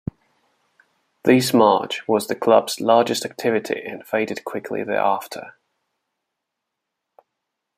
This march was the Club's largest activity and faded quickly thereafter.